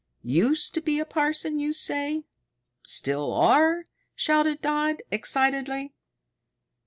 "Used to be a parson, you say? Still are?" shouted Dodd excitedly.